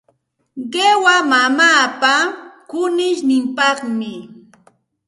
Qiwa mamaapa kunishninpaqmi.